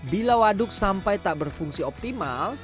bila waduk sampai tak berfungsi optimal